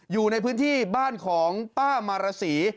อยู่ในพื้นที่บ้านของป้ามารสี